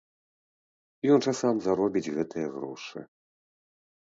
Ён жа сам заробіць гэтыя грошы!